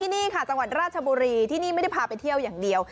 นี่ค่ะจังหวัดราชบุรีที่นี่ไม่ได้พาไปเที่ยวอย่างเดียว